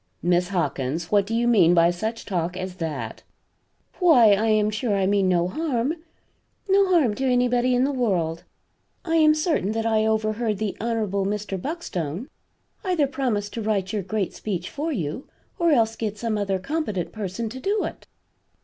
"Miss Hawkins, what do you mean by such talk as that?" "Why I am sure I mean no harm no harm to anybody in the world. I am certain that I overheard the Hon. Mr. Buckstone either promise to write your great speech for you or else get some other competent person to do it."